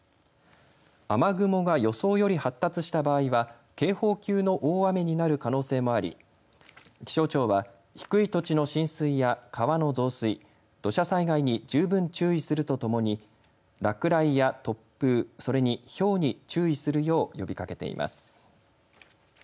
雨雲が予想より発達した場合は警報級の大雨になる可能性もあり気象庁は低い土地の浸水や川の増水、土砂災害に十分注意するとともに落雷や突風、それにひょうに注意するよう呼びかけています。